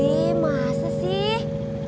ih masa sih